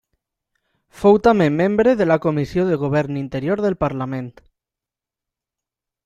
Fou també membre de la Comissió de Govern Interior del Parlament.